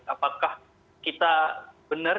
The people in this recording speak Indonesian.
apakah kita benar